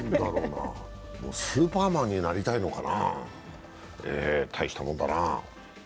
スーパーマンになりたいのかな、大したもんだな。